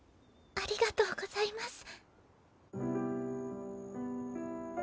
ありがとうございます。